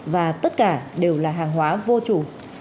và tất cả đều là hàng hóa vô chủ